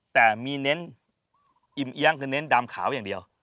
แต่มีเน้นอิ่มเอี๊ยงคือเน้นดำขาวอย่างเดียว